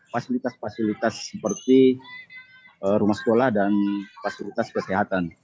fasilitas fasilitas seperti rumah sekolah dan fasilitas kesehatan